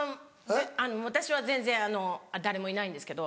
私は全然誰もいないんですけど。